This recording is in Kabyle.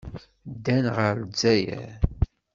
Ddan ɣer Lezzayer.